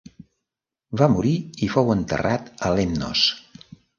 Va morir i fou enterrat a Lemnos.